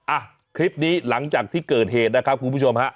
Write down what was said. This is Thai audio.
อ่ะคลิปนี้หลังจากที่เกิดเหตุนะครับคุณผู้ชมฮะ